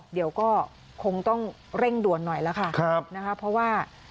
เดี๋ยวก็คงต้องเร่งด่วนหน่อยแล้วค่ะนะคะเพราะว่า